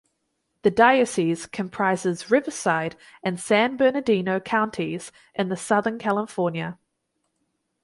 The diocese comprises Riverside and San Bernardino Counties in the Southern California.